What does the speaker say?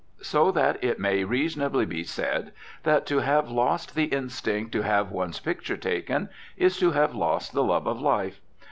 So that it may reasonably be said, that to have lost the instinct to have one's "picture taken" is to have lost the love of life.